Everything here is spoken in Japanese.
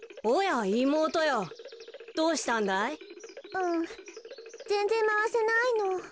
うんぜんぜんまわせないの。